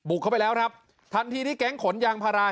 เข้าไปแล้วครับทันทีที่แก๊งขนยางพารา